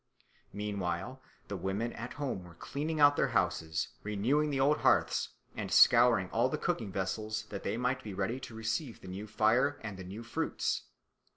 Meanwhile the women at home were cleaning out their houses, renewing the old hearths, and scouring all the cooking vessels that they might be ready to receive the new fire and the new fruits.